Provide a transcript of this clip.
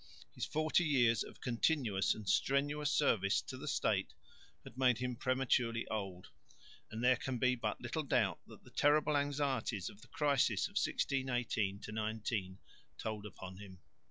His forty years of continuous and strenuous service to the State had made him prematurely old; and there can be but little doubt that the terrible anxieties of the crisis of 1618 19 told upon him.